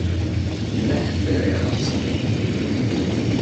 Yella ḥedd ara ixelṣen.